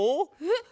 えっ？